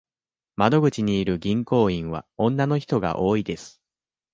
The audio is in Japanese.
窓口にいる銀行員は女の人が多いです。